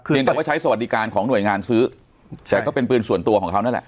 ยังแต่ว่าใช้สวัสดิการของหน่วยงานซื้อแต่ก็เป็นปืนส่วนตัวของเขานั่นแหละ